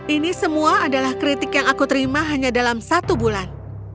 ini semua adalah kritik yang aku terima hanya dalam satu bulan